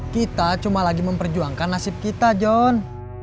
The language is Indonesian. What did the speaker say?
kita cuma lagi memperjuangkan nasib kita john